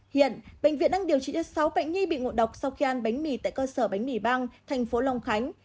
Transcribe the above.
hiện bệnh viện đang điều trị cho sáu bệnh nhi bị ngộ độc sau khi ăn bánh mì tại cơ sở bánh mì băng thành phố long khánh